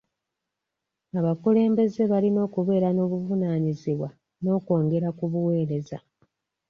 Abakulembeze balina okubeera n'obuvunaanyizibwa n'okwongera ku buweereza.